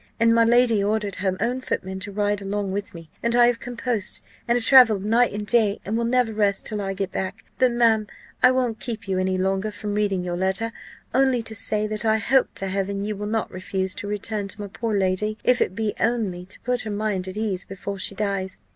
And my lady ordered her own footman to ride along with me; and I have come post, and have travelled night and day, and will never rest till I get back. But, ma'am, I won't keep you any longer from reading your letter, only to say, that I hope to Heaven you will not refuse to return to my poor lady, if it be only to put her mind at ease before she dies.